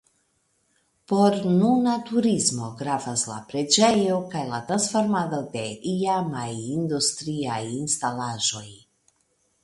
Por nuna turismo gravas la preĝejo kaj la transformado de iamaj industriaj instalaĵoj.